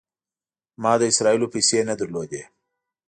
ما د اسرائیلو پیسې نه درلودې.